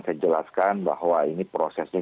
saya jelaskan bahwa ini prosesnya